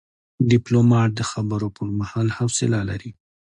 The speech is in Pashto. ډيپلومات د خبرو پر مهال حوصله لري.